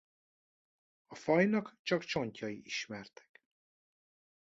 A fajnak csak csontjai ismertek.